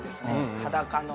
裸の。